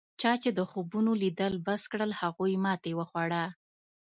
چا چې د خوبونو لیدل بس کړل هغوی ماتې وخوړه.